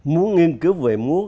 muốn nghiên cứu về múa